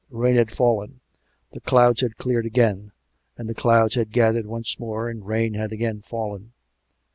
Rain had fallen; the clouds had cleared again; and the clouds had gathered once more and rain had again fallen.